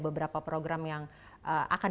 beberapa program yang akan